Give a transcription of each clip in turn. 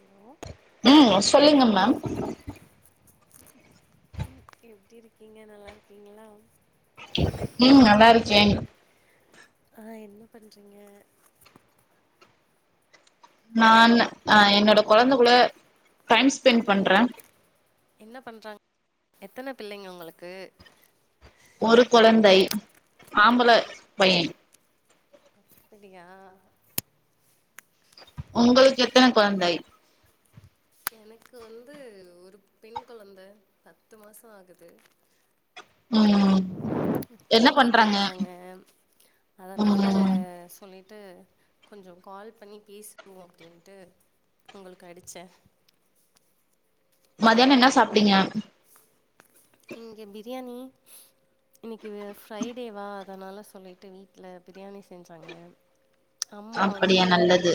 Hello ம் சொல்லுங்க ma'am ம் எப்டி இருக்கீங்க நல்லா இருக்கீங்ளா ம் நல்லா இருக்கேன் ஆ என்ன பண்றீங்க நானு என்னோட குழந்த கூட டைம் ஸ்பெண்ட் பண்ற என்ன பண்றாங்க எத்தன பிள்ளைங்க உங்களுக்கு ஒரு குழந்தை ஆம்பல பையன் அப்படியா உங்களுக்கு எத்தன குழந்தை எனக்கு வந்து ஒரு பெண் கொழந்த பத்து மாசோ ஆகுது ம் என்ன தூங்கிட்டு பண்றாங்க இருக்காங்க அதனால ம் சொல்லி ட்டு கொஞ்சோ கால் பண்ணி பேசுவோ அப்டின்ட்டு உங்களுக்கு அடிச்ச மதியானோ என்ன சாப்பிட்டீங்க இங்கே பிரியாணி இன்னைக்கு ஃப்ரைடேவா அதனால சொல்லிட்டு வீட்ல பிரியாணி செஞ்சாங்க அம்மா அப்படியா வந்து நல்லது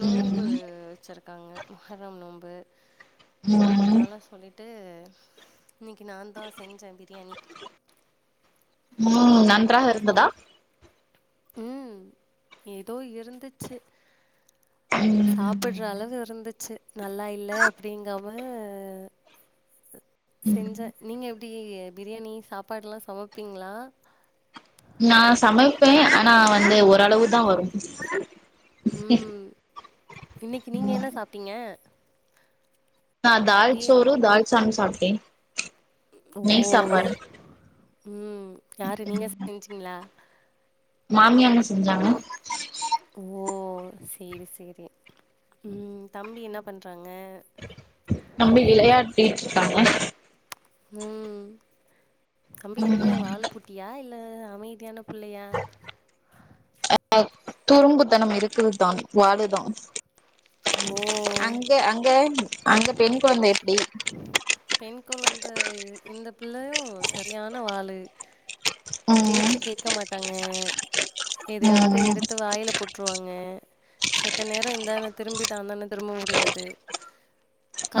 நோன்பு ம் சரக்கு இருக்காங்க மஹரம் நோன்பு ம் அதனால சொல்லி ட்டு இன்னைக்கு நான்தா செஞ்சேன் பிரியாணி ம் நன்றாக இருந்ததா ம் ஏதோ இருந்துச்சு ம் சாப்பிடற அளவு இருந்துச்சு நல்லா இல்ல அப்படிங்காம செஞ்ச நீங்க எப்டி பிரியாணி சாப்பாடெல்லா சமைப்பீங்ளா நா சமைப்பே ஆனா வந்து ஓரளவுதா வரு ம் இன்னைக்கு நீங்க என்ன சாப்டீங்க நா தால் சோரு தால் சாங் சாப்டேன் ஓ நெய் சாப்பாடு ம் யாரு நீங்க செஞ்சீங்ளா மாமியாங்க செஞ்சாங்க ஓ சேரி சேரி ம் தம்பி என்ன பண்றாங்க தம்பி விளையாடிட்ருக்காங்க ம் தம்பி என்ன ம் வாலு குட்டியா இல்ல அமைதியான புள்ளையா குரும்புத்தனம் இருக்குது தா வாலுதா ஓ அங்க அங்க அங்க பெண் கொழந்த எப்டி கொழந்த இந்த பிள்ளையு சரியான வாலு ம் பேச்ச கேக்க மாட் தங்கே எதையாவது ம் எடுத்து வாயில போட் டுருவாங்க செத்த நேரோ இந்தானத் திரும்பிட்டான் தானே திரும்ப முடியாது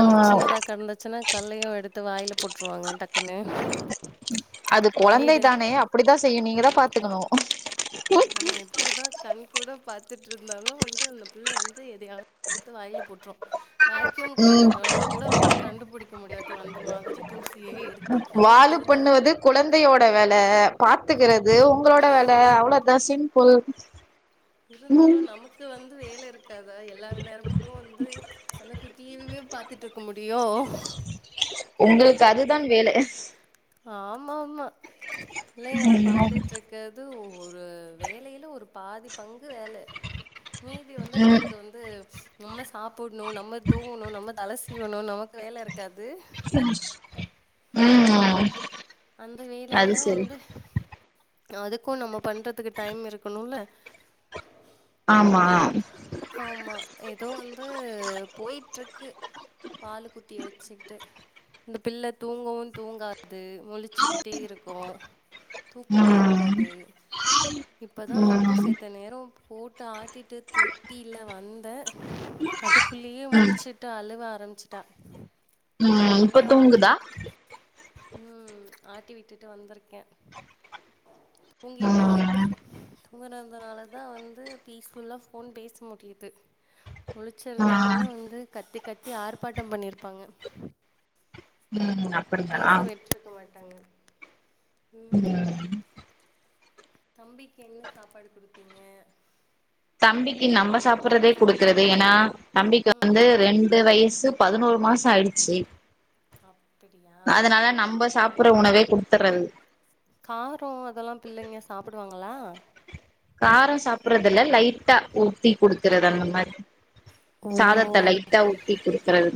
ஆ சின்னதா கெடந்துச்சுன்னா கல்லையு எடுத்து வாயில போட்டுருவாங்க டக்குன்னு அது கொழந்தை வீடு தானே அப்படிதா செய்யு நீங்கத பாத்துக்கணு நம்ம எப்படிதா கண் கூட பாத்துட்ருந்தாலு வந்து அந்த பிள்ள வந்து எதையாவத் எடுத்து வாயில போட்ரு வேக்யூம் ம் கிளீனர் அளவு கூட வந்து கண்டுபுடிக்க முடியாது அந்த மாதிரி தூசியை எடுத் வாலு பண்ணுவது குழந்தையோட வேல பாத்துக்கிறது உங்களோட வேல அவ்ளோதா சிம் புல் இருந்தாலு நமக்கு வந்த் து வேல இருக்காதா எல்லாரு நேரமு வந்து அந்த குட்டியுமே பாத்துட்டு இருக்க முடியு உங்ளுக்கு அதுதான் வேல ஆமா ஆமா பிள்ளைங்கல பாத்துட்ருக்கது ஒ ஒரு வேலையில ஒரு பாதி பங்கு வேல மீதி வந்து ம் நமக்கு வந்து நம்ம சாப்புட்னு நம்ம தூங்னு நம்ம தல சீவனு நமக்கு வேல இருக்காது [unintelligible] ம் ஆமா அந்த வேலை எல்லா வந்து அதுக்கு நம்ம பண்றதுக்கு டைம் இருக்ணுல ஆமா ஆமா. ஏதோ வந்து போயிட்ருக்கு வாலு குட்டிய வச்சுக்கிட்டு இந்த பிள்ள தூங்கவு தூங்காது முழி சுக்கிட்டே இருக்கும் தூக்கமே ம் இருக்காது இப்பதா வந்து ம் செத்த நேரோ போட்டு ஆட்டிட்டு தொட்டில வந்த அதுக்குள்ளயே முழிச்சுட்டு அழுவ ஆரம்பிச்சிட்டா திரும்பி ம் இப்ப வந்து ஆட்டி தூங்குதா விட்டுட்டு ம் ஆட்டி விட்டுட்டு வந்துருக்கே தூங்கிட்தா இருக்கு ம் தூங்குறதுனாலதா வந்து பீஸ்ஃபுல்லா ஃபோன் பேச முடியுது ம் முழுச்சிருந்தாங்கன்னா வந்து கத்தி கத்தி ஆர்ப்பாட்டம் பண்ணிருப்பாங்க ம் அப்படியா டாங்க [unintelligible] தம்பிக்கு என்ன சாப்பாடு குடுத்தீங்க தம்பிக்கு நம்ப சாப்புட்றதே குடுக்குறது ஏன்னா தம்பிக்கு ம் வந்து ரெண்டு வயசு பதுனோரு மாசோ ஆய்டுச்சு அப்படியா அதனால நம்ப சாப் சாப்புட்ற உணவே குடுத்துறது காரோ அதெல்லா பிள்ளைங்க சாப்புடுவாங்களா காரோ சாப்புறதில்ல லைட்டா ஊத்தி குடுக்றது அந்த மாரி ஓ சாதத்த லைட்டா ஊத்தி குடுக்குறது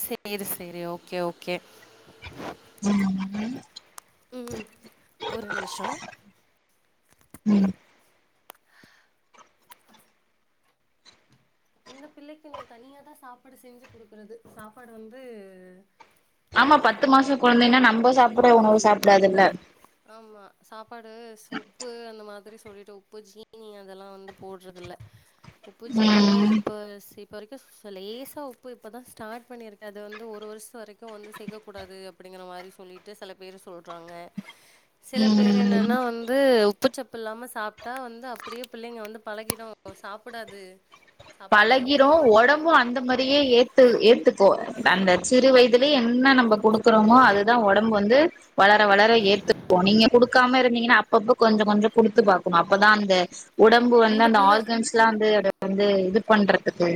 சேரி சேரி ஓகே ஓகே ம் ம் ஒரு நிமிஷோ ம் இந்த பிள்ளைக்கு நா தனியாதா சாப்பாடு செஞ்சு குடுக்குறது சாப்பாடு வந்து ஆமா பத்து மாசோ கொழந்தைன்னா நம்ப சாப்புட்ற உணவு சாப்டாதுல்ல ஆமா சாப்பாடு உப்பு அந்த மாதிரி சொல்லிட்டு உப்பு ஜீனி அதெல்லா வந்து போட்றதில்ல உப்பு ஜீனிலா ம் எப்ப சேப் இப்போ வரைக்கு லேசா உப்பு இப்ப தா ஸ்டாட் பண்ணிருக்கே அது வந்து ஒரு வர்சோ வரைக்கு வந்து சேக்கக்கூடாது அப்டிங்கிற மாரி சொல்லிட்டு செல பேர் சொல்றாங்க சில பேர் ம் என்னன்னா வந்து உப்புச்சப்பு இல்லாம சாப்ட்டா வந்து அப்டியே பிள்ளைங்க வந்து பழகிடும் சாப்புடாது பழகிரும் ஒடம்பும் அந்த மாரியே ஏத் ஏத்துக்கு அந்த சிறு வயதுலே என்ன நம்ப குடுக்குறோமோ அதுதா ஒடம்பு வந்து வளர வளர ஏத்துக்கும் நீங்க குடுக்காம இருந்தீங்கன்னா அப் அப்பப்ப கொஞ்ச கொஞ்சோ குடுத்து பாக்கணும் அப்பதா அந்த உடம்பு வந்து இந்த அந்த பிள்ள ஆர்கன்ஸ்லா வந்து வந்து இது பண்றத்துக்கு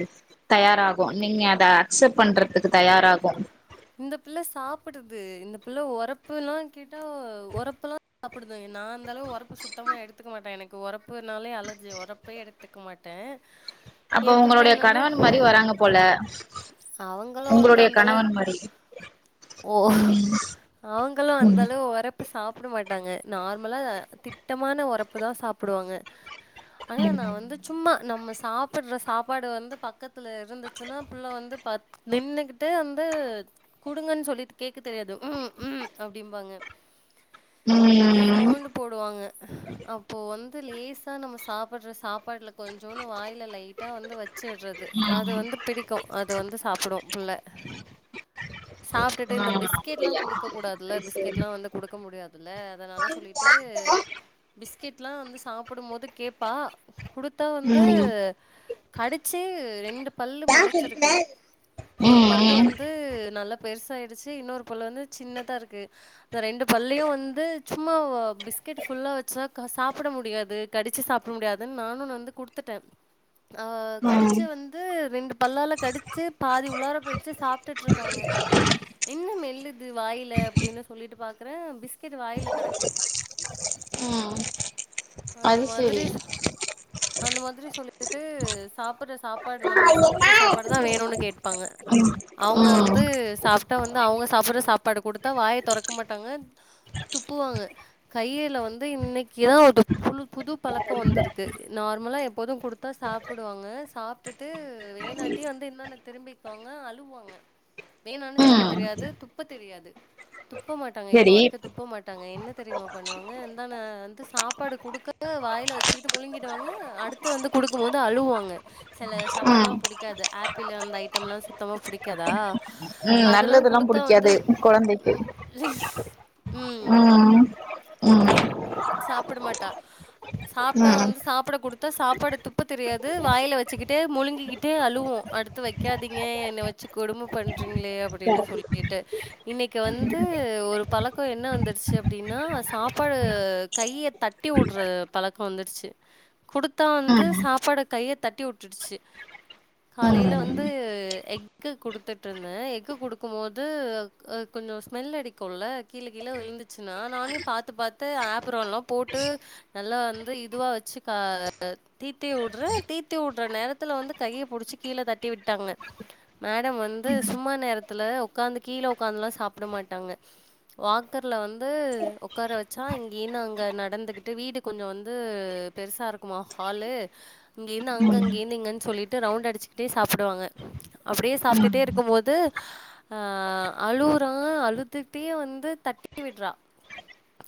தயாராகும் நீங்க அத அக்செப்ட் பண்றதுக்கு தயாராகும் இந்த பிள்ள சாப்புடுது இந்த பிள்ள ஒரப்புலா கேட்டா ஒரப்புலா சாப்புடுது நா அந்தளவு ஒரப்பு சுத்தமா எடுத்துக்க மாட்டேன் எனக்கு ஒரப்புனாலே அலர்ஜி ஒரப்பே எடுத்துக்க மாட்டேன் அப்ப என் பிள்ள உங்களுடைய கணவன் மாரி வராங்க போல அவுங்களும் வந்து உங்களுடைய அந்தளவு கணவன் மாரி ஓ ம் அவுங்களும் ம் அந்தளவு வர இப்ப சாப்பிட மாட்டாங்க நார்மலா திட்டமான உறப்புதா சாப்டுவாங்க ஆனா நான் வந்து சும்மா நம்ம சாப்பிடற சாப்பாடு வந்து பக்கத்துல இருந்துச்சுன்னா ள்ள வந்து பா நின்னுகிட்டு வந்து குடுங்கன்னு சொல்லி கேக்க தெரியாது ம் ம் அப்டிம்பாங்க ம் அப்போ வந்து லேசா நம்ம சாப்டுற சாப்பாட்டுல கொஞ்சோன்னு வாய்ல லைட்டா வந்து வச் ச்சடுறது அது வந்து பிடிக்கு அது வந்து சாப்டு புள்ள சாப்ட்டுட்டு ஆ இந்த பிஸ்கெட் எல்லாம் அப்படியா குடுக்க கூடாதுல்ல சரி சரி பிஸ்கெட் எல்லாம் வந்து குடுக்க முடியாதுல்ல அதனால சொல்லிட்டு பிஸ் பிஸ்கெட்லா வந்து சாப்பிடும் போது கேட்ப்பா கொடுத்தா வந்து ம் கடிச்சு ரெண்டு பள்ளு ம் முளச்சுருக்கு ஒரு பல்லு ம் வந்து நல்ல பெருசாயிடுச்சு இன்னொரு பல்லு வந்து சின்னதா இருக்கு அ ரெண்டு பல்லையும் வந்து சும்மா பிஸ்கெட் ஃபுல்லா வச்சா சாப்பிட முடியாது கடிச்சு சாப்பிட முடியாதுன்னு நானு வந்து குடுத்துட்டே ஆ கடிச்ச வந்து ரெண்டு பல்லால கடிச்ச பாதி உளார போயிடுச்சு சாப்பிட்டுட்டு இருக்காங்க இன்ன மெல்லுத் வாயல அப்டின்னு சொல்லிட்டு பா க்குறே பிஸ் து வாயில கடக்கு ம் அந்த அது சரி மாதிரி அந்த மாதிரி சொல்லி ட்டு சாப்பிடுற சாப் சாப்பாடு ம் நம்ம சாப் சாப்புட்ற சாப்பாடுதா வேணும்னு கேட்பாங்க அவுங்க வந்து சாப் த்த வந்து அவுங்க சாப்ட்ற சாப்பாடு குடுத்தா வாய தொறக்க மாட்டாங்க துப்புவாங்க கைல வந்து இன்னக்கி எதாவ் ஒன்னூத்தப் புல்லு புது பலக்கம் வந்திருக்கு நார்மலா எப்போதும் குடுத்தா சாப்டுவாங்க சாப்டுட்டு வேத் இல்லாட்டி வந்து இன்னன்ட திரும்பிக்குாங்க அலூவாங்க வேனானு சொல்ல ம் தெரியாது துப்ப தெரியாது துப்ப மாட்டாங்க இப்ப சரி வரைக்கு துப்பமாட் டாங்க என்ன தெரியுமா பண்ணுவாங்க இந்தன்ன வந்து சாப்பாடு குடிக்கயிலே வாயில வச்சுகிட்டு முழுங்கிடுவாங்க அடுத்து வந்து குடுக்கும் போது அழுவாங்க செல‌ சாப்பாட்லா ம் ம் புடிக் புடிக்காது ஆப்பிளூ அந்த ஐட்டம் எல்லா சுத்தமா புடிக்காதா ம் அதெல்லா நல்லதெல்லா குடுத்தா வந்து புடிக்காது குழந்தைக்கு ம் ம் ம் நீ சாப்பிட மாட்டா சாப்ட்டா ம் வந்து சாப்பிட குடுத் த்த சாப்பாடு துப்ப தெரியாது வாயில வச்சுக்கிட்டே முழுங்கிக்கிட்டே அழுவூம் அடுத்து வைக்காதீங்க என்னை வச்சு கொடுமை பண்றீங்களே அப்டின்னு சொல்லிட்டு இன்னிக்கு வந்து ஒரு பழக்க என்ன வந்துருச்சு அப்டின்னா சாப்பாடு கைய தட்டி வுட்டுற பழக்க வந்துருச்சு கொடுத்தா வந்து சாப்பாடு கைய தட்டி வுட்டுடுச்சு ம் காலைல ம் வந்து எக்கு குடுத்துட்டுருந்தே எக்கு குடுக்கு போது அ கொஞ்சோ ஸ்மெல் அடிக்குல்ல கீழ கீழ விழுந்துருச்சுன்னா நானேப் பாத்து பாத்து ஆப்புரான்ல்லா போட்டு நல்லா வந்து இதுவா வச்சு கா தீத்தி வுட்றே தீத்தி வுட்டுற நேரத்துல வந்து கைய புடிச்சி கீழே தட்டி விட்டாங்க மேடம் வந்து சும்மா நேரத்துல ஒக்காந்து கீழே ஒக்காந்துலா சாப்பட மாட்டாங்க வாக்கர்ல வந்து ஒக் ஒக்கார வச்சா இங்கயிருந் அங்க நடந்துகிட்டு வீடு கொஞ்சே வந்து பெருசா இருக்குமா ஹாலு இங்க இருந்து அங்க ம் இங்க இருந்து இங்கன்னு சொல்லிட்டு ரவுண்ட் அடிச்சுக்கிட்டே சாப்டுவாங்க அப்டியே ம் சாப்பிட்டுட்டே இருக்கும் போது அ அழுவுறா அழுத்துகிட்டே வந்து தட்டி விட்றா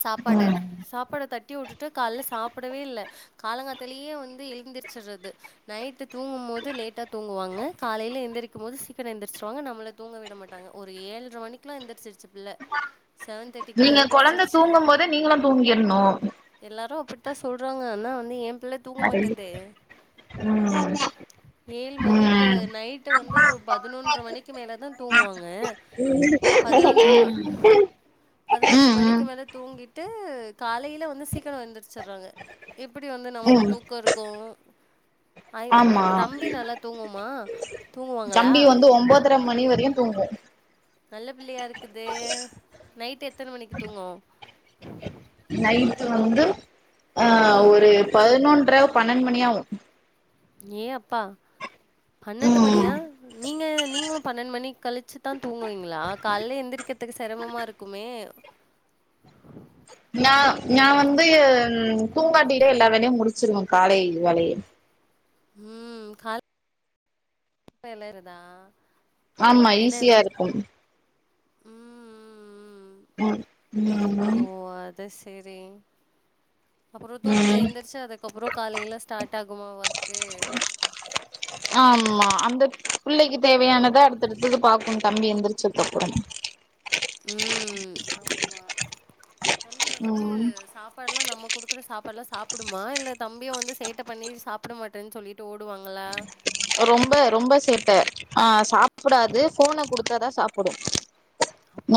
சாப்பாட சாப்பாட தட்டி வுட்டுட்டு கால்ல சாப்பிடவே இல்ல காலங்காத்தலயே வந்து எழுந்திரிச்சுட்றது நைட்டு தூங்கும் போது லேட்டா தூங்குவாங்க காலையில எழுந்திரக்கு போது சீக்கரம் எழுந்திரிச்சிருவாங்க நம்மள தூங்க விட மாட்டாங்க ஒரு ஏல்ரை மணிக்கலா எழுந்திரச்சிருச்சு பிள்ள செவன் தேர்டிக்கலா நீங்க கொழந்த எந்திரச்சி தூங்கும் போது நீங்களு தூங்கிர்ணு எல்லாரு அப்டித்தா சொல்றாங்க அனா வந்து ஏம் சரி ம் ஏழு மணிக்கு நைட்டு வந்து ஒரு பதினொன்ற மணிக்கு மேலதா தூங்குவாங்க பதினொன்ற ம பதினொன்ற ம் மணிக் ம் க்கு மேல தூங்கிட்டு காலயில வந்து சீக்கரம் எந்துருச்சிட்றாங்க எப்டி வந்து நமக்கு ம் தூக்க இருக்கு ஐம் ஆமா தம்பி நல்லா தூங்குமா ஆ தம்பி வந்து ஒம்போதர மணி வரையூ தூங்கு நல்ல பிள்ளயா இருக்குதே நைட்டு எத்தனை மணிக்கு தூங்கு நைட் வந்து ஆஹ் ம் ஒரு பதினொன்ற பன்னெண்ட் மணி ஆகு ஏ அப்பா பன்னெண்டு ம் மணியா நீங்க நீங்களு பன்னெண்டு மணி கழிச்சுதா தூங்குவீங்களா கால்ல எந்திரிக்கிறதுக்கு செரமமா இருக்குமே நா நா வந்து ம் தூங்காட்டியில எல்லா வேலயு முடிச்சிருவே காலை வேலய ம் கால் வேளறுதா ஆமா ஈஸியா இருக்கும் உம் உம் உம் ம் ம் அது சரி அப்புறதூங்கி ம் எழுந்திரிச்சு அதுக்கப்புறோ காலைல ஸ்டார்ட் ஆகுமா ஒர்க்கு ஆமா அந்த பிள்ளைக்கு தேவையானத அடுத்தடுத்தது பாகணு தம்பி எந்திரிச்சதுக்கு அப்புறம் ம் ஆமா தம்பி வந்து ம் சாப்பாட் ல்லா நம்ம குடுக்குற சாப்பாடுல்லா சாப்படுமா இல்ல தம்பியே வந்து சேட்டை பண்ணி சாப்பிட மாட்டேன்னு சொல்லிட்டு ஓடுவாங்களா ரொம்ப ரொம்ப சேட்டை ஆ சாப்புடாது ஃபோனை குடுத்தாதா சாப்புடு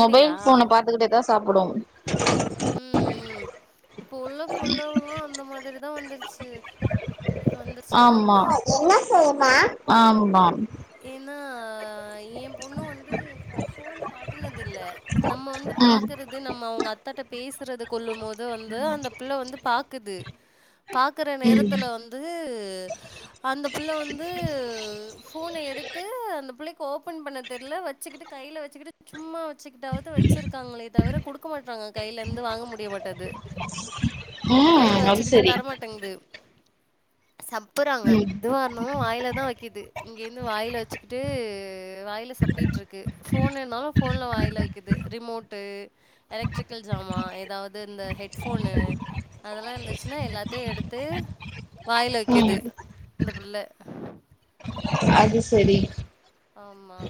மொபைல் ஃபோன பாத்துக்கிட்டே தா சாப்புடு ம் ம் இப்ப உள்ள புள்ளவுளு அந்த மாதிரி அதான் வந்துருச்சு வந்துருச்சுங்க. ஆமா ஆமா ஏன்னா ஏன் பொண்ணு வந்து ஃபோன் காட்டுனது இல்ல நம்ம வந்து ம் பாக்குறது நம்ம அவங்க அத்தாட்ட பேசுறது கொல்லும் போது அது வந்து அந்த பிள்ளை வந்து பாக்குது பாக்குற நேரத்துல ம் வந்து [inaudible] அந்த பிள்ளை வந்து ஃபோனை எடுத்து அந்த பிள்ளைக்கு ஓபன் பண்ண தெரியல வச்சுக்கிட்டு கையில வச்சுக்கிட்டு சும்மா வச்சுக்கிட்டாவது வச்சிருக்காங்களே தவிர கொடுக்க மாட்றாங்க கையில இருந்து வாங்க முடிய மாட்டேங்குது ம் கையில அது வச்சுக்கிட்டு சரி தரமாட்டேங்குது சப்புறாங்க ம் எதுவாருந்தாலும் வாய்ல தான் வைக்கிது இங்க இருந்து வாயில வச்சுக்கிட்டு வாயில சப்பிட்டு இருக்கு ஃபோன் இருந்தாலும் ஃபோன்ல வாயில வைக்குது ரிமோட்டு் எலெக்ட்ரிக்கல் ஜாமா ஏதாவது இந்த ஹெட் ஃபோனு அதெல்லாம் இருந்துச்சுன்னா எல்லாத்தையும் எடுத்து வாயில வைக்குது ம் அந்த பிள்ள அது சரி ஆமா